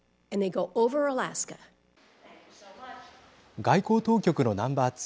外交当局のナンバー２